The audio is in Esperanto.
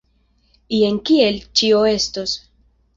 Jen kiel ĉio estos.